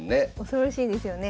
恐ろしいですよね。